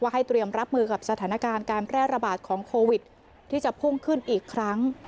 ให้เตรียมรับมือกับสถานการณ์การแพร่ระบาดของโควิดที่จะพุ่งขึ้นอีกครั้ง